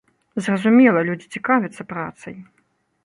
Зразумела, людзі цікавяцца працай.